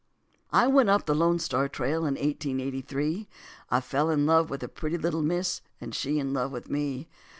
I went up the Lone Star Trail in eighteen eighty three; I fell in love with a pretty miss and she in love with me.